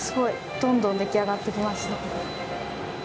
どんどん出来上がってきました。